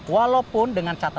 walaupun dengan catatan